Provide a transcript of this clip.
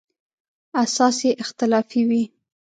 اساس یې اختلافي وي.